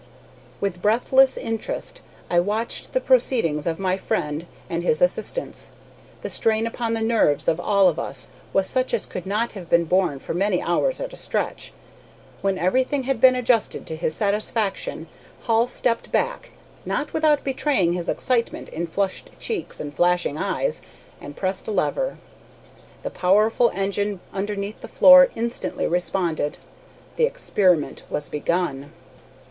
With breathless interest I watched the proceedings of my friend and his assistants. The strain upon the nerves of all of us was such as could not have been borne for many hours at a stretch. When everything had been adjusted to his satisfaction, Hall stepped back, not without betraying his excitement in flushed cheeks and flashing eyes, and pressed a lever. The powerful engine underneath the floor instantly responded. The experiment was begun.